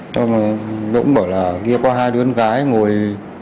thôi mà đỗng bởi là kia có hai đứa con gái ngồi